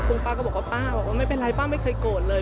ซึ่งป้าก็บอกว่าป้าบอกว่าไม่เป็นไรป้าไม่เคยโกรธเลย